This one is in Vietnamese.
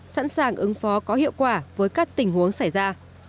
sẵn sàng ứng phó có hiệu quả với các tình huống xảy ra